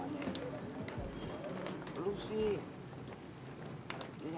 oke puasa semuanya